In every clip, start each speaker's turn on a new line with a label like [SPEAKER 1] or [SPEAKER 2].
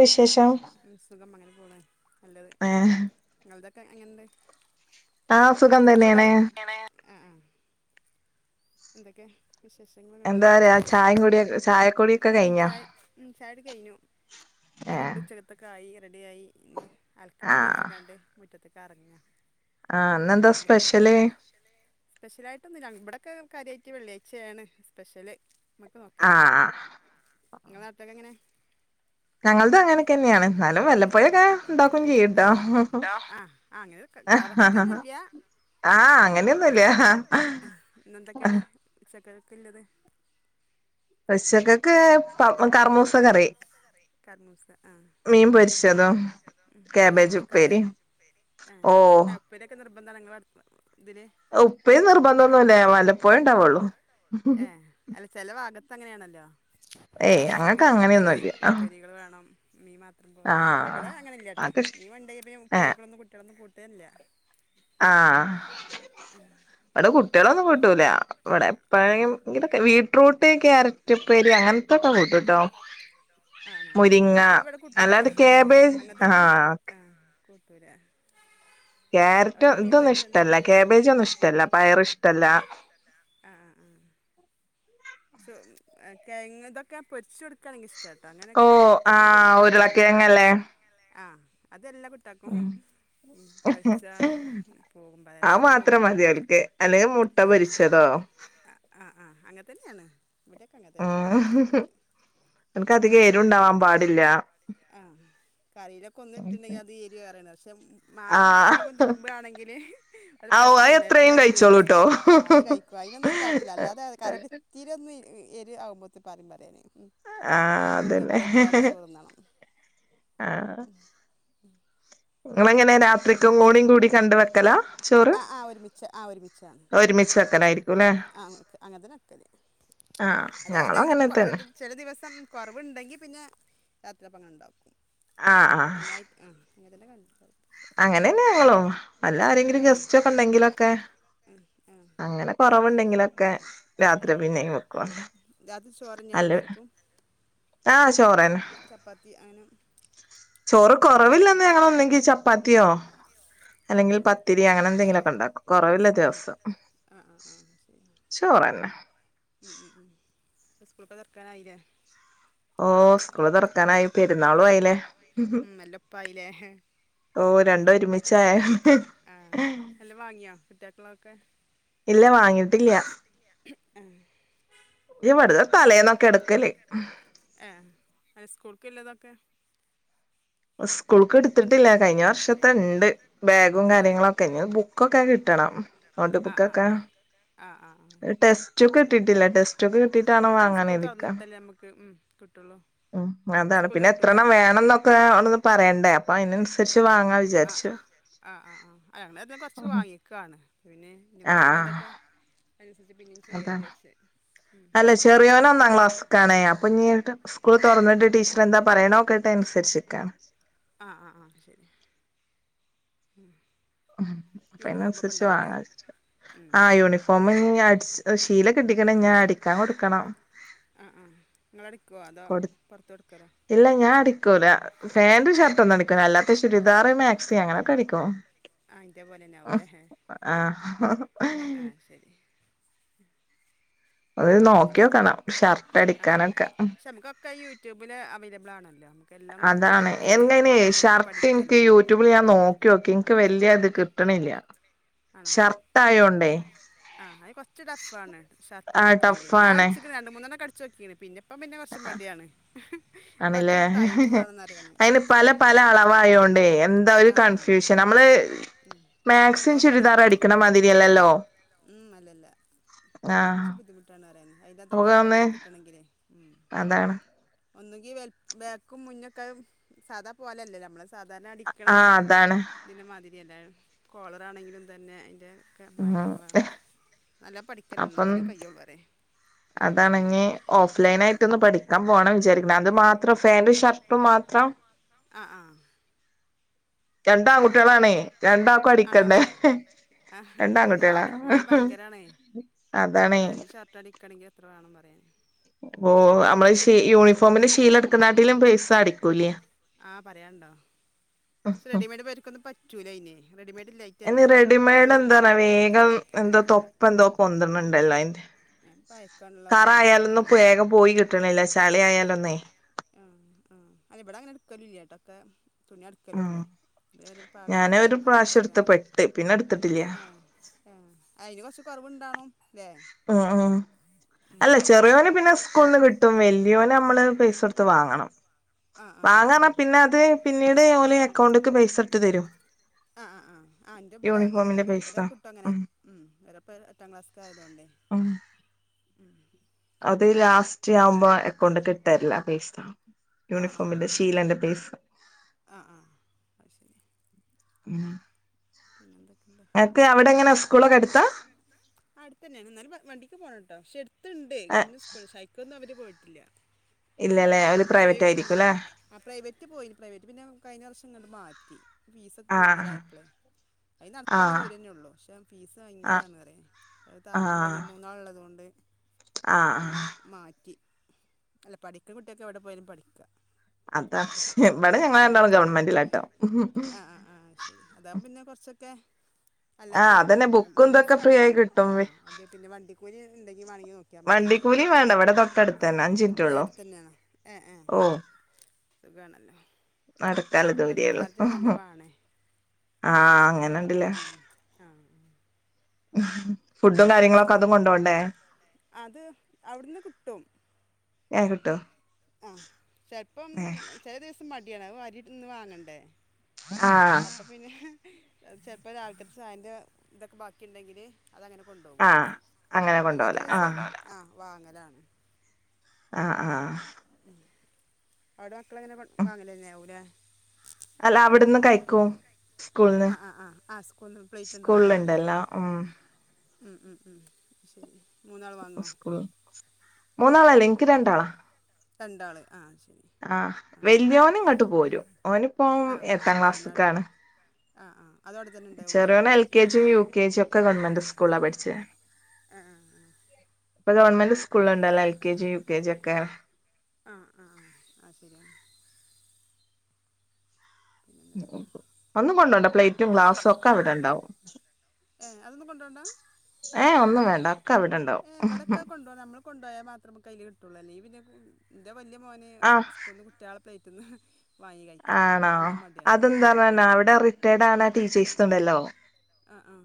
[SPEAKER 1] വിശേഷം
[SPEAKER 2] സുഖം അങ്ങനെ പോണ് നല്ലത്
[SPEAKER 1] ഏഹ്
[SPEAKER 2] ഇങ്ങൾതൊക്കെ എങ്ങൻണ്ട്
[SPEAKER 1] ആഹ് തന്നെയാണ്
[SPEAKER 2] സുഖം അങ്ങനെ എന്തക്കെ വിശേഷങ്ങള്ങ്ങട്ട്
[SPEAKER 1] എന്താ പറയാ ചായയും കൂടി ചായക്കുടിയൊക്കെ
[SPEAKER 2] ഉം
[SPEAKER 1] കഴിഞ്ഞോ
[SPEAKER 2] ചായ ഉം ചായ കുടി കഴിഞ്ഞു
[SPEAKER 1] ഏഹ്
[SPEAKER 2] ഫുഡ് ഉച്ചകത്തൊക്കായി റെഡിയായി ഇനി അൽക്കട്ടെ
[SPEAKER 1] ആഹ്
[SPEAKER 2] ജാര്ച്ച്ക്കാണ്ട് മുറ്റത്ത്ക്കർങ്ങ.
[SPEAKER 1] ആഹ്
[SPEAKER 2] അപ്പൊന്ന്
[SPEAKER 1] ഇന്നെന്താ സ്പെഷ്യല്
[SPEAKER 2] വിളിക്കട്ടെന്നരുതി. സ്പെഷ്യലായിട്ടൊന്നുല്ല ഇബടൊക്കെ കാര്യായ്റ്റ് വെള്ള്യായ്ചേണ് സ്പെഷ്യല്. നമക്ക് നോക്കല്ലേ
[SPEAKER 1] ആഹ്
[SPEAKER 2] ആഹ് ഇങ്ങളെ അത്തക്കെങ്ങനെ.
[SPEAKER 1] ഞങ്ങൾതു അങ്ങനൊക്കെന്നെയാണ് എന്നാലും വല്ലപ്പോയൊക്കെ ഉണ്ടാക്കും ചെയ്യുട്ടോ.
[SPEAKER 2] ആഹ് ആഹ് അങ്ങനെ. ക കറക്റ്റൊന്നുല്ല ആ ആഹ് അങ്ങനെന്നുല്ല ഇന്നെന്തെക്കെണ്. ഉച്ചക്കക്കത്തില്ലത്.
[SPEAKER 1] ഉച്ചക്കക്ക് പ കറമൂസ കറി.
[SPEAKER 2] കർമുസ ആഹ്.
[SPEAKER 1] മീൻ പൊരിച്ചതും
[SPEAKER 2] ആഹ്
[SPEAKER 1] കാബേജ്
[SPEAKER 2] അതൊക്കായോ
[SPEAKER 1] ഉപ്പേരിയും
[SPEAKER 2] കേബേജുപ്പേരി ആഹ്.
[SPEAKER 1] ഓഹ്
[SPEAKER 2] ഇപ്പേരിക്കെ നിർബന്ധാണോ ഇങ്ങള തില്.
[SPEAKER 1] ഉപ്പേരി നിർബന്ധൊന്നുല്ല വല്ലപ്പോയെ ഉണ്ടാവുള്ളൂ.
[SPEAKER 2] ഏഹ് അല്ല ചെല ഭാഗത്തങ്ങനെണല്ലോ.
[SPEAKER 1] ഏയ് ഞങ്ങക്കങ്ങനെയൊന്നുല്ല.
[SPEAKER 2] ട്ടികള് വേണം മീൻ മാ ത്രം പോരാ ഇവടെ അങ്ങനല്ലട്ടോ
[SPEAKER 1] അതൊക്കെ ഇഷ്
[SPEAKER 2] മീന്ണ്ടേല് പിന്നെ
[SPEAKER 1] ഏഹ്
[SPEAKER 2] ഉപ്പേരികളൊന്നും കുട്ടിളൊന്നും കൂട്ടേല്ല.
[SPEAKER 1] ആഹ്. ഇവടെ കുട്ടികളൊന്നും കൂട്ടൂല ഇവടെ
[SPEAKER 2] ആഹ്
[SPEAKER 1] ഇപ്പായും വീട്ട്റൂട്ട് ക്യാര റ്റ് ഇപ്പേരി അങ്ങൻത്തൊക്കെ കൂട്ടുട്ടൊ.
[SPEAKER 2] ആണോ അത് വടെ കൂട്ടൂലാ
[SPEAKER 1] അല്ലാതെ കാബേജ്
[SPEAKER 2] അങ്ങൻത്തൊന്നും.
[SPEAKER 1] ആഹ്
[SPEAKER 2] കൂട്ടൂലാ.
[SPEAKER 1] ക്യാരറ്റും ഇതൊന്നുഷ്ടല്ല ക്യാബേജൊന്നുഷ്ടല്ല പയറ്ഷ്
[SPEAKER 2] പയറ്ഷ്ടല്ല ആഹ് ആഹ്. സു എ കെയങ്തൊക്കെ പൊരിചൊടു ക്കാണെങ്കി ഇഷ്ട്ടാട്ടോ
[SPEAKER 1] ഓ
[SPEAKER 2] അങ്ങനൊക്കയാ അത് എപ്പമ്മള്
[SPEAKER 1] ആഹ്
[SPEAKER 2] പൊരിക്കൂല്ലല്ലോ ആഹ്
[SPEAKER 1] ഉരുളക്കിഴങ്ങല്ലേ
[SPEAKER 2] ഉരുളകിയങ്ങല്ലേ ആഹ് അതെല്ലാം. ഇത്താക്കും
[SPEAKER 1] ഉം
[SPEAKER 2] പൊരിച്ചാ പോകും അതല്ലാതൊന്നും ഓൽക്ക് പോവുല്ല അത് മാത്രം മതി.
[SPEAKER 1] അല്ലെ മുട്ട പൊരിച്ചതോ.
[SPEAKER 2] അ അ ആഹ് അങ്ങെൻതന്നേണ് ഇവിടൊക്കെ അങ്ങെതന്നെ കുട്ട്യള്.
[SPEAKER 1] ഓൽകധികം എരുണ്ടാവാൻ പാടില്ല.
[SPEAKER 2] ആഹ്. കറിലൊക്കൊന്ന് ഇട്ടുണ്ടെങ്കി അത് എരി ഏറേണ് പറയും പക്ഷെ. മാങ്ങ ഉപ്പും
[SPEAKER 1] ആഹ്
[SPEAKER 2] മൊളകും തിരുമ്പാണെങ്കില് ഒരു
[SPEAKER 1] ഔ അത്
[SPEAKER 2] പ്രശ്നുല്ല
[SPEAKER 1] എത്രയും
[SPEAKER 2] എത്രീം ഓര് എത്രയും
[SPEAKER 1] കഴിച്ചോളൂട്ടോ
[SPEAKER 2] കഴിച്ചോളും ആഹ് അത് കഴി ക്കും അയ്നൊന്നൊരു കൊയപ്പല്ല അല്ലാതെ കറില് ഇത്തിരി ഒന്ന് എരി ആവുമ്പോത്തിന് പറയും പറയല് ഉം.
[SPEAKER 1] ആഹ്
[SPEAKER 2] അപ്പോൽക്ക്
[SPEAKER 1] അതന്നെ
[SPEAKER 2] കറില്ലാതെ ചോറ്ന്നണം.
[SPEAKER 1] ആഹ് നിങ്ങളെങ്ങനെ രാത്രിക്കും
[SPEAKER 2] പിന്നെന്താ
[SPEAKER 1] കൂടി കൂടി കണ്ട് വെക്കലാ ചോറ്
[SPEAKER 2] ആഹ് ആഹ് ഒരുമിച്ച് ആഹ് ഒരുമി ച്ചാണ്
[SPEAKER 1] ഒരുമിച്ച് വെക്കലായിരിക്കുംല്ലേ
[SPEAKER 2] ആഹ് അങ്ങൻത് അങ്ങനതന്നെട്ക്കല്.
[SPEAKER 1] ആഹ്
[SPEAKER 2] അതവാ
[SPEAKER 1] ഞങ്ങളും
[SPEAKER 2] എന്തെങ്കിലും
[SPEAKER 1] അങ്ങനെ
[SPEAKER 2] കൊ
[SPEAKER 1] തന്നെ
[SPEAKER 2] എല്ല ചെല ദിവസം കൊറവ്ണ്ടെങ്കി പിന്നെ രാത്രിപ്പങ്ങനെണ്ടാക്കും.
[SPEAKER 1] ആഹ് ആഹ്.
[SPEAKER 2] ഉം അങ്ങൻതന്നെ കണ്ട
[SPEAKER 1] അങ്ങനന്നെ ഞങ്ങളും
[SPEAKER 2] ആ
[SPEAKER 1] അല്ലാരെങ്കിലും ഗസ്റ്റൊക്കെണ്ടെങ്കിലൊക്കെ
[SPEAKER 2] ആ, ആ
[SPEAKER 1] അങ്ങനെ. കൊറവുണ്ടെങ്കിലൊക്കെ. രാത്രി
[SPEAKER 2] ഉം
[SPEAKER 1] പിന്നെയും വെക്കും
[SPEAKER 2] രാത്രി ചോറന്നേണോ
[SPEAKER 1] അല്ല
[SPEAKER 2] എല്ലാർക്കും.
[SPEAKER 1] ആഹ് ചോറ്.
[SPEAKER 2] ആഹ് ചോറന്നേ ചപ്പാത്തി അങ്ങനെ.
[SPEAKER 1] ചോറ്
[SPEAKER 2] ഇല്ലേക്കൂലേ ഉമ്മാ
[SPEAKER 1] കൊറവില്ലന്ന് ഞങ്ങളൊന്നെങ്കി ചപ്പാത് ത്യോ
[SPEAKER 2] ആ
[SPEAKER 1] അല്ലെങ്കിൽ
[SPEAKER 2] ആ
[SPEAKER 1] പത്തിരി അങ്ങനെന്തെങ്കിലൊക്കെ ഇണ്ടാക്കും കൊറവില്ല ദിവസം.
[SPEAKER 2] ആഹ് ആഹ് ശെരി.
[SPEAKER 1] ചോറെന്നെ.
[SPEAKER 2] ഉം ഉം ഉം. ഇപ്പം സ്കൂളൊക്കെ തൊറ്ക്കാനായി ലേ?
[SPEAKER 1] ഓ സ്കൂള് തുറക്കാനായി പെരുന്നാളും ആയില്ലേ
[SPEAKER 2] ഉം എല്ലും ഒപ്പായിലെ. എഹെ.
[SPEAKER 1] ഓ
[SPEAKER 2] രണ്ടും
[SPEAKER 1] ഒരുമിച്ചായ
[SPEAKER 2] ഒരുമിച്ചായേ. ആഹ് എല്ലും വാങ്ങിയൊ കുട്ട്യേക്ക്ള്ളതൊക്കെ?
[SPEAKER 1] ഇല്ല വാങ്ങീട്ടില്ല്യ.
[SPEAKER 2] ആഹ്
[SPEAKER 1] ഇല്ല്യ വെട്ന്ന് തലേന്നൊക്കെ ഇട്ക്കല്.
[SPEAKER 2] ഏഹ് ഹൈസ്കൂൾക്കില്ലതൊക്കെ.
[SPEAKER 1] സ്കൂൾക്ക് ഇടുത്തിട്ടില്ല കഴിഞ്ഞ വർഷത്തെണ്ട്. ബാഗും
[SPEAKER 2] ആ
[SPEAKER 1] കാര്യങ്ങളൊക്കെ ഇഞ്ഞി ബു ക്കൊക്കെ കിട്ടണം നോട്ട്
[SPEAKER 2] ആ ആ ആ
[SPEAKER 1] ബുക്കൊക്കെ.
[SPEAKER 2] ആ ആഹ് ആഹ് ആഹ്
[SPEAKER 1] ടെസ്റ്റുക്ക് കിട്ടിട്ടില്ല ടെസ്റ്റുക്ക് കിട്ടീട്ടാണം വാങ്ങാന് കര്തിക്കാ.
[SPEAKER 2] കിട്ടൊള്ളോ.
[SPEAKER 1] ഉം അതാണ്. പിന്നെ എത്രണ്ണം വേണം ന്നൊക്കെ അവിട്ന്ന് പറയണ്ടേ. അപ്പൊ അയിനനുസരിച്ച് വാങ്ങാ വിചാ
[SPEAKER 2] ആഹ് ആഹ്. ആഹ് ആഹ് അഹ് ഞങ്ങളേതാലും കൊർച്ച് വാങ്ങിക്കാണ്. പിന്നെ ഇനി
[SPEAKER 1] ആഹ്
[SPEAKER 2] കൊറവുള്ളതൊക്കെ അയിനനുസരിച്ച് പിന്നിം ചെയ്യാ
[SPEAKER 1] അതാണ്
[SPEAKER 2] വിചാര്ച്ച്.
[SPEAKER 1] അല്ല ചെറിയോന് ഒന്നാം ക്ലാസ്സ്ക്കാണേ. അപ്പൊ ഞ്ഞ് സ്കൂൾ തൊറന്നിട്ട് ടീച്ചർ എന്താ പറയ്ണോ ക്കട്ടെ അയ്നൻസരിച്ച്ക്കാണ്.
[SPEAKER 2] ആഹ് ആഹ് ആഹ് ശരി. ഉം
[SPEAKER 1] മ് അപ്പൊ അയിനന്സരിച്ച് വാങ്ങാ [unintelligible]
[SPEAKER 2] ഉം
[SPEAKER 1] ആഹ് യൂണിഫോം ഞ് അട്ച് ശീല കിട്ടീക്ണ് ഇഞ്ഞതടിക്കാൻ കൊടുക്കണം.
[SPEAKER 2] ആഹ് ആഹ്. ഇങ്ങളടിക്കുവോ അതോ
[SPEAKER 1] കൊടു
[SPEAKER 2] പൊറത്ത് കൊടുക്കലോ.
[SPEAKER 1] ഇല്ല ഞാ ടിക്കൂല. ഫാന്റ് ഷർട്ടൊന്നും
[SPEAKER 2] പത്ത്
[SPEAKER 1] അടിക്കൂല അല്ലാത്ത ചുരിദാർ മാക്സി അങ്ങനൊക്കെ അടിക്കും.
[SPEAKER 2] ആഹ് ഇന്റെ പോലെന്നെ ആവൂലേ ആഹ് ആഹ്
[SPEAKER 1] ആഹ്.
[SPEAKER 2] ശരി
[SPEAKER 1] അത്
[SPEAKER 2] പിന്നെ എന്തൊക്കെണ്.
[SPEAKER 1] നോക്കിയോക്കണം ഷർട്ട്
[SPEAKER 2] ആഹ്
[SPEAKER 1] അടിക്കാനൊക്കെ
[SPEAKER 2] പിക്ഷെ നമുക്കൊക്കെ യൂട്യൂബിൽ അവൈലബിൾ ആണല്ലോ. നമ്
[SPEAKER 1] അതാണ് എൻങ്ങനെയ് ഷർട്ട്
[SPEAKER 2] പഠിക്കല്ലോ
[SPEAKER 1] ഇൻക്ക് യൂ ട്യൂബിൽ ഞാൻ നോക്കിയോക്കി ഇനിക്ക് വല്യ ഇത് കിട്ട്ണില്ല്യ. ഷർട്ടായോണ്ടേ.
[SPEAKER 2] ആഹ് അയ്ന് കൊറച്ച് ടഫാണ്.
[SPEAKER 1] ആഹ്
[SPEAKER 2] ഷർട്ടടിക്കണങ്കിലേ. ഞാൻ
[SPEAKER 1] ടഫാണ്
[SPEAKER 2] അടിച്ചിക്ക്ണ് രണ്ട് മൂന്നെണ്ണൊക്കെ അട് ചോക്കിണ്. പിന്നെപ്പം പിന്നെ കൊർച്ച് മടിയാണ്. അപ്പൊ
[SPEAKER 1] ആണില്ലേ
[SPEAKER 2] കൊർച്ചൊന്ന് ടൈമ് മാണംന്നറ്യാ ഞാന്.
[SPEAKER 1] അയിന് പല പല അളവായോണ്ടേയ് എ ന്താ ഒരു
[SPEAKER 2] ആ ആ
[SPEAKER 1] കൺഫ്യൂഷൻ. നമ്മള്
[SPEAKER 2] ഉം
[SPEAKER 1] മാക്സിം
[SPEAKER 2] നല്ലോ
[SPEAKER 1] ചുരിദാർ
[SPEAKER 2] പഠിക്കണം
[SPEAKER 1] അടിക്കണമാതിരിയല്ലല്ലോ.
[SPEAKER 2] ഉം അല്ലല്ല കൊർച്ച് ബുദ്ധിമുട്ടാണ് പറയാ ന്. അയിന്റാതൊക്കെ റെഡി
[SPEAKER 1] നമുക്കൊന്ന്
[SPEAKER 2] ആയി കിട്ടണെങ്കിലേ ഉം.
[SPEAKER 1] അതാണ്.
[SPEAKER 2] ഒന്നെങ്കി വല് ബേക്കും മുന്നൊക്കെ സാധാ പോലല്ലെല്ലോ ഞമ്മള് സാധാരണ
[SPEAKER 1] ആഹ് അതാണ്.
[SPEAKER 2] ഇതിന്റെ മാതിരിയല്ല. കോളറാണെങ്കിലും തന്നെ അയ്ൻ്റെ ഒക്കെ
[SPEAKER 1] ഉം
[SPEAKER 2] മാറ്റങ്ങളാണ്. നല്ലോം പഠിക്കണന്നെ മാണം
[SPEAKER 1] അപ്പം
[SPEAKER 2] ഇന്നാതന്നെ കയ്യൊള്ളൂ പറ്യേ.
[SPEAKER 1] അതാണ് ഞ്ഞി ഓഫ് ലൈനായിട്ടൊന്ന് പഠിക്കാൻ പോണം വിചാരി ക്ണ്. അത് മാത്രം ഫാൻ്റും ഷർട്ടും മാത്രം.
[SPEAKER 2] ആഹ് ആഹ്
[SPEAKER 1] രണ്ട്
[SPEAKER 2] അത് ശരി രണ്ട്
[SPEAKER 1] ആൺകുട്ടികളാണേ
[SPEAKER 2] ആൺകുട്ടിയളാണേ
[SPEAKER 1] രണ്ടാക്കും
[SPEAKER 2] ആണോ
[SPEAKER 1] അടിക്കണ്ടേ
[SPEAKER 2] ഞാനൊന്ന് പഠിക്കട്ടെ
[SPEAKER 1] രണ്ട്
[SPEAKER 2] അയന്നെ ഭ
[SPEAKER 1] ആൺകുട്ടികളാ
[SPEAKER 2] അടിക്കൂലി ഭയങ്കരാണെയ്
[SPEAKER 1] അതാണേ
[SPEAKER 2] പാന്റ് ഷർട്ട് അടി ക്കണെങ്കില് എത്ര വേണന്നറിയെ
[SPEAKER 1] ഓഹ് അമ്മളെ
[SPEAKER 2] അമ്മളെ ശി യൂണിഫോമിന്റെ ശീല ഇട്ക്ക്ത്താണ്ടേലും
[SPEAKER 1] അടിക്കൂലേ
[SPEAKER 2] പൈസാണേ ആഹ് പറയാണ്ടോ പക്ഷേ റെഡിമെയ്ഡ് ഇവര്ക്കൊന്നും പറ്റൂല അയ്നെ റെഡിമെയ്ഡ് ഇല്ലായി
[SPEAKER 1] അയ്ന് റെഡിമെയ്ഡ് എന്താന്ന വേഗം എന്തോ തൊപ്പന്തോ പൊന്ത്‌ണണ്ടല്ലോ അയിന് കറ
[SPEAKER 2] പയക്കാനുള്ളതുണ്ടാവും
[SPEAKER 1] ആയാലൊന്നും
[SPEAKER 2] ഇക്കാരം
[SPEAKER 1] ഇപ്പേഗം പോയി
[SPEAKER 2] മണി
[SPEAKER 1] കിട്ട്ണില്ല ചളി ആയാലൊന്നേയ്
[SPEAKER 2] ആഹ് ആഹ് അല്ല ഇബടെ അങ്ങനെ ഇട്ക്കല് ഇല്ലട്ടോ ഒക്കെ തുണിയാ
[SPEAKER 1] ഉം
[SPEAKER 2] ഇട്ക്കലൊള്ളു ഇത് ഞാൻ ഒരു
[SPEAKER 1] ഞാന്
[SPEAKER 2] പാകത്തിന്
[SPEAKER 1] ഒരു
[SPEAKER 2] അടിക്കാ
[SPEAKER 1] പ്രാവശ്യം എടുത്ത്
[SPEAKER 2] വിചരിച്ച്ങ്ങാണ്ട്
[SPEAKER 1] പെട്ട് പിന്നെ എടുത്തിട്ടില്ല
[SPEAKER 2] ഏഹ് ഏഹ് അയിന് കൊറച്ച് കൊറവ് ഇണ്ടാണും
[SPEAKER 1] ഉ ഉം
[SPEAKER 2] ഉം
[SPEAKER 1] അല്ല
[SPEAKER 2] ഉം
[SPEAKER 1] ചെറിയോന് പിന്നെ സ്കൂള്ന്ന് കി ട്ടും വല്ല്യോന് അമ്മള് പൈസൊട്ത്ത് വാങ്ങണം
[SPEAKER 2] ആഹ് ആഹ് ആഹ്
[SPEAKER 1] വാങ്ങർഞ്ഞാ
[SPEAKER 2] ആഹ്
[SPEAKER 1] പിന്നെ അത് പിന്നീട് ഓല് അക്കൗണ്ടക്ക് പൈസ ഇട്ട് തരും
[SPEAKER 2] ആഹ് ആഹ് ആഹ് ഇൻ്റെബടെ അങ്ങനെ തന്നെ
[SPEAKER 1] യൂണിഫോമിന്റെ
[SPEAKER 2] ഫ
[SPEAKER 1] പൈസ
[SPEAKER 2] ഒരാക്ക് കിട്ടും അങ്ങനെ ഉം [unintelligible] എട്ടാം ക്ലാസ്ക്കായതോണ്ടെ
[SPEAKER 1] ഉം
[SPEAKER 2] ഉം
[SPEAKER 1] അത് ലാസ്റ്റ് ആവുമ്പോ എക്കൗണ്ട്ക്ക് ഇട്ടരെലാ പൈസാ
[SPEAKER 2] ആഹ് ആഹ് ആഹ് ആഹ് ആഹ് ആഹ് അത് ശരി
[SPEAKER 1] [unintelligible]
[SPEAKER 2] പിന്നെ എന്തൊക്കെണ്ട്
[SPEAKER 1] അന്ക്ക് അവിടെ ഇങ്ങനെ സ്കൂളൊക്കെ എട്ത്താ?
[SPEAKER 2] അട്ത്തന്നേണ് എന്നാലും വ വണ്ടിക്ക് പോണട്ടോ പക്ഷേ എട്ത്ത്ണ്ട്
[SPEAKER 1] ഏഹ്
[SPEAKER 2] ഗവൺമെന്റ് സ്കൂൾ പക്ഷേ അയി ക്കൊന്നും അവര് പോയിട്ടില്ല പിന്നെ
[SPEAKER 1] ഇല്ലല്ലേ ഓല് പ്രൈവറ്റ്
[SPEAKER 2] പ്രൈവ് ആഹ്
[SPEAKER 1] ആയിരിക്കും ല്ലേ
[SPEAKER 2] പ്രൈവറ്റേനി ആഹ് പ്രൈവറ്റ് പോയിനി പ്രൈവറ്റ് പിന്നെ കഴിഞ്ഞ വർഷം ഇങ്ങട് മാറ്റി ഫീസൊക്കെ
[SPEAKER 1] ആഹ്
[SPEAKER 2] കൂടുതലായപ്പളെ അയിൻ നടക്കാല്ലെ
[SPEAKER 1] ആഹ്
[SPEAKER 2] ദൂരന്നൊള്ളു പക്ഷേ ഫീസ്
[SPEAKER 1] ആഹ്
[SPEAKER 2] ഭയങ്കരാണ് പറയാ അഹ് താങ്ങാൻ
[SPEAKER 1] ആഹ്
[SPEAKER 2] കയ്യും മൂന്നാൾ ഇള്ളത്കൊണ്ടെ
[SPEAKER 1] ആഹ്
[SPEAKER 2] പിന്നെ
[SPEAKER 1] ആഹ്
[SPEAKER 2] മാറ്റി അല്ല പഠിക്ക്ന്ന കുട്ടിയക്ക് എവിടെ പോയാലും പഠിക്കാ
[SPEAKER 1] അതാണ് ഇവെടെ ഞങ്ങളെ രണ്ടാളും ഗവൺമെന്റിലാട്ടോ
[SPEAKER 2] ആഹ് ശരി അതാവുമ്പം പിന്നെ കൊറച്ചൊക്കെ
[SPEAKER 1] ആഹ്
[SPEAKER 2] അല്ലാത്ത
[SPEAKER 1] അതന്നെ
[SPEAKER 2] ഉം
[SPEAKER 1] ബുക്കും
[SPEAKER 2] ഫീസ്
[SPEAKER 1] ഇതൊക്കെ ഫ്രീ ആയി
[SPEAKER 2] വേണ്ടല്ലോ
[SPEAKER 1] കിട്ടും
[SPEAKER 2] ആഹ് അത് പിന്നെ വണ്ടിക്കൂലി ഇണ്ടെങ്കി വാണെങ്കി നോ ക്കിയാ മതിയല്ലോ
[SPEAKER 1] വണ്ടിക്കൂലിയും വേണ്ട ഇവിടെ
[SPEAKER 2] വണ്ടിക്കൂലിം വാണ്ട
[SPEAKER 1] തൊട്ടടുത്ത്
[SPEAKER 2] ഇവ്ടെ
[SPEAKER 1] തന്നെ അഞ്ച്
[SPEAKER 2] തൊട്ടെട്ത്തന്നെ ഏഹ്
[SPEAKER 1] മിനിറ്റൊള്ളൂ
[SPEAKER 2] എട്ത്തന്നേണോ ഏഹ് ഏഹ്
[SPEAKER 1] ഓ
[SPEAKER 2] സുഖാണല്ലോ
[SPEAKER 1] നടക്കാള്ളെ
[SPEAKER 2] മറ്റേ വണ്ടി
[SPEAKER 1] ദൂരെള്ളു
[SPEAKER 2] ചാർജ്
[SPEAKER 1] ആഹ്
[SPEAKER 2] ആഹ്
[SPEAKER 1] അങ്ങനെണ്ട്ല്ലേ
[SPEAKER 2] ഉം ആഹ്
[SPEAKER 1] ഫുഡും കാര്യങ്ങളൊക്കെ അതും കൊണ്ടോണ്ടേ
[SPEAKER 2] അത് അവിടുന്ന് കിട്ടും
[SPEAKER 1] ഏഹ് കിട്ടോ
[SPEAKER 2] ആഹ് ചെലപ്പം
[SPEAKER 1] ഏഹ്
[SPEAKER 2] ചെലെ ദിവസം മടിയാണ് അത് വരിട്ന്ന് വാങ്ങണ്ടേ
[SPEAKER 1] ആഹ്
[SPEAKER 2] അപ്പം പിന്നെ ഏഹ് ചെലപ്പം രാവില്ക്കത്തെ ചായൻ്റെ ഇതൊക്കെ ബാക്കിയിണ്ടെങ്കില് അതങ്ങനെ കൊണ്ടോവും
[SPEAKER 1] ആഹ് അങ്ങനെ
[SPEAKER 2] അല്ലാത്ത
[SPEAKER 1] കൊണ്ടോവല
[SPEAKER 2] ദിവസം ഏഹ്
[SPEAKER 1] ആഹ്
[SPEAKER 2] കൊണ്ടോവലാ ആഹ് വാങ്ങലാണ്
[SPEAKER 1] ആഹ് ആഹ്
[SPEAKER 2] ഉം അവ്ടെ മക്കള് എങ്ങനെ കൊ വാങ്ങലെന്നാവുലെ
[SPEAKER 1] അല്ല അവിടുന്ന്
[SPEAKER 2] അല്ല
[SPEAKER 1] കഴിക്കും
[SPEAKER 2] അവ്ട്ന്ന് കഴിക്കും
[SPEAKER 1] സ്കൂൾന്ന്
[SPEAKER 2] ആഹ് ആഹ് ആഹ് ആഹ് സ്കൂള്ന്ന് പ്ലേറ്റ് കൊണ്ടോവ്ണ്ടാവും
[SPEAKER 1] സ്കൂളില്ണ്ടല്ലോ ഉം
[SPEAKER 2] [unintelligible] ഉം ഉം ഉം ശരി മൂന്നാൾ വാങ്ങുമോ
[SPEAKER 1] സ്കൂൾ മൂന്നാളല്ല ഇനിക്ക് രണ്ടാളാ.
[SPEAKER 2] രണ്ടാൾ ആഹ് ശരി.
[SPEAKER 1] ആഹ്
[SPEAKER 2] ആ
[SPEAKER 1] വല്യോന് ഇങ്ങൊട്ട് പോരും ഓനിപ്പോ എട്ടാം ക്ലാസ്സിക്കാണ്.
[SPEAKER 2] ആഹ് ആഹ് അതോടെ തന്നെ. ഉണ്ടാവൂലേ
[SPEAKER 1] ചെറിയോന് എൽ കെ ജിയും യു കെ ജി ഒക്കെ ഗവൺമെന്റ് സ്കൂളിലാ പഠിച്ചത്.
[SPEAKER 2] ആഹ് ആഹ് ആഹ്
[SPEAKER 1] ഇപ്പൊ ഗവൺമെന്റ് സ്കൂളില്ണ്ടല്ലോ L K G U K G ഒക്കെ.
[SPEAKER 2] ആഹ് ആഹ് ആഹ് ആഹ് ശരി ആഹ് പിന്നെ എന്തൊക്കെ ഉണ്ട്
[SPEAKER 1] ഒന്നും കൊണ്ടോണ്ട പ്ലേറ്റും ഗ്ലാസും ഒക്കെ അവിടെ ഉണ്ടാവും.
[SPEAKER 2] ഏ അതൊന്നും കൊണ്ടോണ്ട?
[SPEAKER 1] ഏ ഒന്നും വേണ്ട. ഒക്കെ അവിടെ ഉണ്ടാവും
[SPEAKER 2] ഏ ഇവിടൊക്കെ കൊണ്ടൊണം നമ്മള് കൊണ്ടൊയാ മാത്രേ കയില് കിട്ടൊള്ളൂ അല്ലേ പിന്നെ. ഇൻ്റെ വല്യയ മോന്
[SPEAKER 1] ആഹ്
[SPEAKER 2] സ്കൂളിന്ന് കുട്ടിയാളെ പ്ലേറ്റിന്ന്
[SPEAKER 1] ആണോ അതെന്താ
[SPEAKER 2] ഉം.
[SPEAKER 1] പറ അവിടെ റിട്ടയേഡ് ആണ് ടീച്ചേഴ്സ് ണ്ടല്ലോ?
[SPEAKER 2] ആ ആ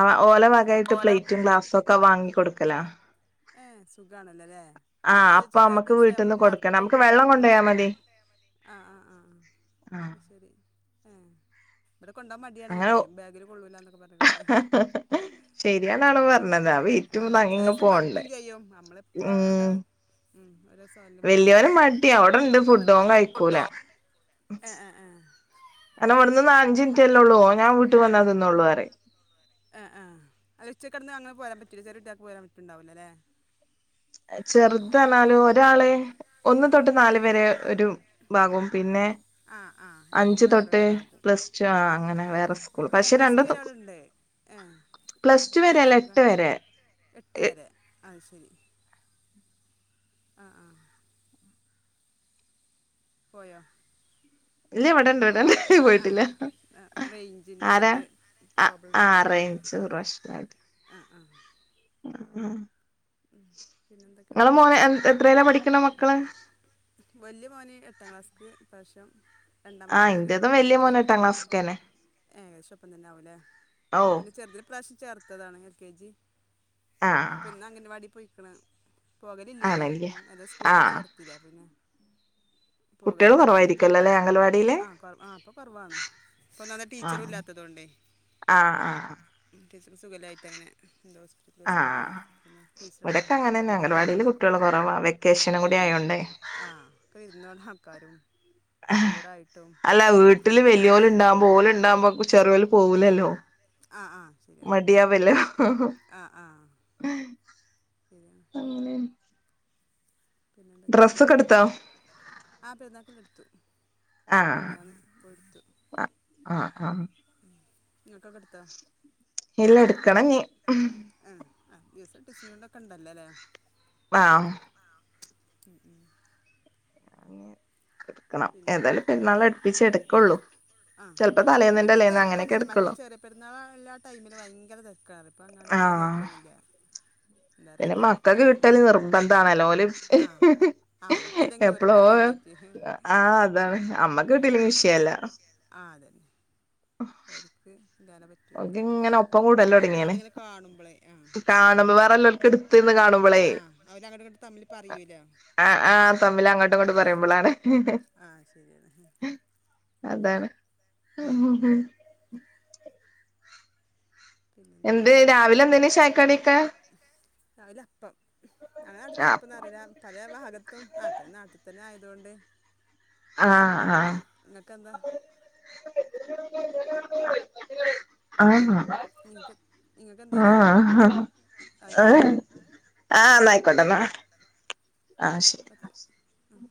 [SPEAKER 1] ആഹ് ഓല വകായിട്ട് പ്ലേറ്റും ഗ്ലാസും ഒക്കെ വാങ്ങിക്കൊടുക്കല.
[SPEAKER 2] ഏ സുഖാണല്ലോല്ലേ മറ്റത്
[SPEAKER 1] അപ്പൊ
[SPEAKER 2] ചെല
[SPEAKER 1] നമ്മക്ക്
[SPEAKER 2] ദിവസ നമ്മള്
[SPEAKER 1] വീട്ടിൽന്ന് കൊടുക്കണം
[SPEAKER 2] മറക്കും
[SPEAKER 1] നമുക്ക്
[SPEAKER 2] കുട്ടികൾ
[SPEAKER 1] വെള്ളം
[SPEAKER 2] കൊണ്ട്.
[SPEAKER 1] കൊണ്ടോയാ മതി
[SPEAKER 2] ആഹ ആഹ് ആഹ്
[SPEAKER 1] ആഹ്
[SPEAKER 2] അയ് ശരി ആഹ് ഇബടെ കൊണ്ടാവാൻ മടിയാണ്
[SPEAKER 1] അങ്ങനെ
[SPEAKER 2] ന്ട്ടെയ് ബാഗിൽ കൊള്ളൂലാ ന്നൊക്കെ പറഞ്ഞിട്ട്.
[SPEAKER 1] ശരിയാണാണോ
[SPEAKER 2] കൊണ്ടോവൂല
[SPEAKER 1] പറഞ്ഞത് ആ വെയിറ്റും താങ്ങിങ്ങ്
[SPEAKER 2] ചെലേസം മറക്കും
[SPEAKER 1] പോണ്ടേ
[SPEAKER 2] ചെയ്യും നമ്മൾ എപ്പളങ്ങട്ട്
[SPEAKER 1] വല്യ യോന് മടിയ അവിടെ ഇണ്ട് ഫുഡ് ഓൻ കഴിക്കൂല.
[SPEAKER 2] ഏ ഏ ഏ
[SPEAKER 1] കാരണം ഇവിടുന്ന് അഞ്ചി മിനിറ്റല്ലൊള്ളൂ ഓൻ ഞാൻ വീട്ട് വന്ന തിന്നോള്ളൂ പറയും.
[SPEAKER 2] ആഹ് ആഹ് അത് ഉച്ച കടന്ന് അങ്ങെനെ പോരാൻ പറ്റുല്ല ചെറിയ കുട്ടിയക്ക് പോരാൻ പറ്റ്ണ്ടാവുല്ലല്ലേ?
[SPEAKER 1] ചെറുത് പറഞ്ഞാല് ഒരാള്. ഒന്ന് തൊട്ട് നാല് വരെ ഒരു ഭാഗവും പിന്നെ
[SPEAKER 2] ആ ആ രണ്ടും
[SPEAKER 1] അഞ്ച്
[SPEAKER 2] വേറെ
[SPEAKER 1] തൊട്ട്
[SPEAKER 2] വേറെ ആകും
[SPEAKER 1] പ്ലസ് ടു ആഹ് അങ്ങനെ വേറെ സ്കൂള്
[SPEAKER 2] ഏ
[SPEAKER 1] പക്ഷെ
[SPEAKER 2] പ്ലസ് ടു
[SPEAKER 1] രണ്ടത്
[SPEAKER 2] ഒരാളുണ്ട് ഏ
[SPEAKER 1] പ്ലസ്ടു വരെ
[SPEAKER 2] ഏ
[SPEAKER 1] അല്ല എട്ട്
[SPEAKER 2] സുഖം
[SPEAKER 1] വരെ
[SPEAKER 2] എട്ട് വരെ അത് ശെരി ആഹ് ആഹ് പോയോ?
[SPEAKER 1] ഇല്ല വിടണ്ട് വ്ടണ്ട
[SPEAKER 2] ആ ആ
[SPEAKER 1] വീട്ടില
[SPEAKER 2] ആ, റേഞ്ചിൻ്റെ
[SPEAKER 1] ആരാ?
[SPEAKER 2] ഇത്
[SPEAKER 1] അഹ്
[SPEAKER 2] പ്രോബ്ലം
[SPEAKER 1] ആഹ് റേഞ്ച് പ്രശ്നായിട്ട്
[SPEAKER 2] അഹ് ആഹ്
[SPEAKER 1] അഹ് ആഹ്
[SPEAKER 2] ഉം
[SPEAKER 1] ങ്ങെളെ മോന് എ എത്രേലാ പഠിക്ക്ന്ന മക്കള്?
[SPEAKER 2] വല്യ മോന് എട്ടാം ക്ലാസ്ക്ക് ഇപ്പ്രാശ്യം
[SPEAKER 1] ആ
[SPEAKER 2] രണ്ടാമത്തെ മോന്
[SPEAKER 1] ഇന്റേതും വല്യ
[SPEAKER 2] മൂന്ന്ക്ക്
[SPEAKER 1] മോന് എട്ടാം ക്ലാസ്ക്കന്നെ
[SPEAKER 2] ഏകദേശം ഒപ്പം തന്നെ ആവൂല്ലേ
[SPEAKER 1] ഓ
[SPEAKER 2] പിന്നെ ചെറുതിനെ ഇപ്രാശ്യം ചേർത്തതാണ് എൽ കെ ജി
[SPEAKER 1] ആ
[SPEAKER 2] ഇപ്പ ഇന്നഅംഗന് വാടി പോയിക്ക്‌ണ് പോകലില്ലേയ്നി
[SPEAKER 1] ആണല്ലേ
[SPEAKER 2] ഇപ്പം ഏതാ സ്കൂളൊക്കെ
[SPEAKER 1] ആഹ്
[SPEAKER 2] ചേർത്തില്ലെ അപ്പ പിന്നെ
[SPEAKER 1] കുട്ടികള്
[SPEAKER 2] പോകലില്ല ഇപ്പൊ ഇന്ന്പ്പൊ
[SPEAKER 1] കുറവായിരിക്കല്ലോല്ലേ അംഗൽവാടിയില്
[SPEAKER 2] ആഹ് കൊ ആഹ് പ്പൊ കൊറവാണ് ഇപ്പൊന്ന ടീച്ചറും
[SPEAKER 1] ആഹ്
[SPEAKER 2] ഇല്ലാത്തതോണ്ടേ
[SPEAKER 1] ആഹ് ആഹ്
[SPEAKER 2] ടീച്ചേഴ്സിന് സുഖല്ലായിട്ട് അങ്ങനെ എന്തോ ഹോസ്പിറ്റൽ കേസ്സൊക്കെ
[SPEAKER 1] ആഹ്
[SPEAKER 2] പറഞ്ഞു അപ്പ പിന്നെ
[SPEAKER 1] ഇവിടൊക്കെ
[SPEAKER 2] ണ്ടവലില്ല
[SPEAKER 1] അങ്ങനെന്നെ
[SPEAKER 2] ഓല്
[SPEAKER 1] അംഗൻവാടിയില്
[SPEAKER 2] പൊലില്ല
[SPEAKER 1] കുട്ടികള് കുറവാ വെക്കേഷനും കൂടി
[SPEAKER 2] ഉം
[SPEAKER 1] ആയോണ്ടേ
[SPEAKER 2] അഹ് ആഹ് ഒക്ക വിരുന്നോണ ആൾക്കാരും, ടൂറായിട്ടും
[SPEAKER 1] അല്ല
[SPEAKER 2] ഒക്കെ
[SPEAKER 1] വീട്ടില്
[SPEAKER 2] അതില്
[SPEAKER 1] വലിയോല്
[SPEAKER 2] ടൈം
[SPEAKER 1] ഇണ്ടാകുമ്പോ ഓല് ഇണ്ടാവുമ്പൊ ചെറിയോല് പോകൂലലൊ
[SPEAKER 2] ആഹ് ആഹ് ശെരിയാണ് ആഹ് ആഹ്,
[SPEAKER 1] [unintelligible]
[SPEAKER 2] ശെരിയാണ്,
[SPEAKER 1] അങ്ങനെ
[SPEAKER 2] പിന്നെന്തൊക്കണ്ട്
[SPEAKER 1] ഡ്രസ്സൊക്കെ എടുത്തോ
[SPEAKER 2] കാര്യങ്ങള്, ആഹ് പെരുന്നാക്ക്‌ല്ല ഇട്ത്തു, മിനിയാന്ന് പോയിടുത്തു,
[SPEAKER 1] അ ആഹ് ആഹ്,
[SPEAKER 2] ഉം, ഇങ്ങക്കന്തട്ത്തൊ?
[SPEAKER 1] ഇല്ല ഇട്ക്കണംഞ്ഞി,
[SPEAKER 2] ആഹ് ആഹ് ദീസഡിസൈൻണ്ട ഒക്കെ ഉണ്ടല്ലൊലേ
[SPEAKER 1] ആഹ്,
[SPEAKER 2] ആഹ്, ഉം ഉം,
[SPEAKER 1] ഉം എടുക്കണം
[SPEAKER 2] പിന്നെ
[SPEAKER 1] ഏതായാലും പെരുന്നാളട്പ്പിച്ച് എടുക്കൊള്ളു
[SPEAKER 2] ആ
[SPEAKER 1] ചെൽപ്പൊ
[SPEAKER 2] ഇപ്പഴ്
[SPEAKER 1] തലേന്നിന്റെ
[SPEAKER 2] വലിയ
[SPEAKER 1] തല്ലേന് അങ്ങനെയൊക്കെ
[SPEAKER 2] തിരക്കൊന്നുമില്ല മറ്റേ
[SPEAKER 1] എടുക്കൊള്ളു
[SPEAKER 2] ചെറിയ പെരുന്നാൾ എല്ലാ ടൈമില് ഭയങ്കര തെരക്കാണ് ഇപ്പ അങ്ങന വല്യെ
[SPEAKER 1] ആഹ്
[SPEAKER 2] തിരക്കൊന്നുല്ല,
[SPEAKER 1] പിന്നെ മക്കൾക്ക് കിട്ടല് നിർബന്ധാണലൊ, ഓല്,
[SPEAKER 2] ആ അമ്മക്കില്ലെങ്കിലും
[SPEAKER 1] എപ്പളോ
[SPEAKER 2] ഓര്ക്കാണലൊ കാര്യായ്റ്റ്,
[SPEAKER 1] ആഹ് അതാണ് അമ്മക്ക് കിട്ടീലെ വിഷയല്ല,
[SPEAKER 2] ഓര്ക്ക് എന്താനെ പറ്റ
[SPEAKER 1] ഓൽക് ഇങ്ങന ഇപ്പ കൂടല് തൊടങ്ങിണ്
[SPEAKER 2] കാണുമ്പോളേ ആ
[SPEAKER 1] കാണുമ്പൊ വേറല്ലോൽക്ക് ഇട്ത്ത്ന്ന് കാണുമ്പളെ,
[SPEAKER 2] ആ അവരങ്ങോട്ട് ഇങ്ങോട്ട് തമ്മിൽ പറയൂല,
[SPEAKER 1] ആഹ്
[SPEAKER 2] ഉം.
[SPEAKER 1] ആഹ് തമ്മിൽ അങ്ങ്ട്ടും ഇങ്ങ്ട്ട് പറയുമ്പളാണ്,
[SPEAKER 2] ആ ശരിയാണ്
[SPEAKER 1] അതാണ്,
[SPEAKER 2] ഉം, ഉം, ഉം.
[SPEAKER 1] എന്ത് രാവിലെ എന്തേയ്ന് ചായക്കടി?
[SPEAKER 2] രാവിലപ്പം ഞങ്ങവ്ടുന്ന്
[SPEAKER 1] ആഹ്
[SPEAKER 2] അപ്പന്നറയ പല ഭാഗത്തും അപ്പഴ നാട്ടിത്തന്നെ ആയതോണ്ട്,
[SPEAKER 1] ആഹ്
[SPEAKER 2] നിങ്ങൾക്ക് എന്താ
[SPEAKER 1] ആഹ്,
[SPEAKER 2] നിങ്ങൾക്ക് നിങ്ങൾക്ക് എന്തേനി
[SPEAKER 1] ആഹ്
[SPEAKER 2] രാവിലത്തെ
[SPEAKER 1] ആഹ് ആഹ് ഇന്നയ്ക്കോട്ടെ ഇന്നാ
[SPEAKER 2] പത്തിശ് ഉം